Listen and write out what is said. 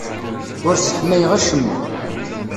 Ur sseḥmayeɣ acemma.